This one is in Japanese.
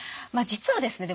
実はですね